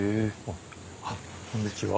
あっこんにちは。